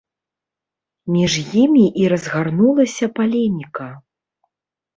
Між імі і разгарнулася палеміка.